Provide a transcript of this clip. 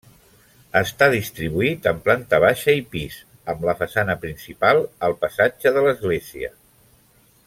Està distribuït en planta baixa i pis, amb la façana principal al passatge de l'Església.